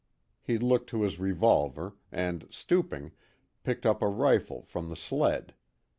He looked to his revolver, and stooping, picked up a rifle from the sled.